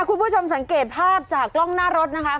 คุณผู้ชมสังเกตภาพจากกล้องหน้ารถนะคะ